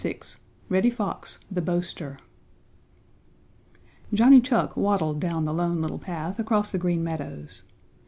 VI REDDY FOX, THE BOASTER Johnny Chuck waddled down the Lone Little Path across the Green Meadows.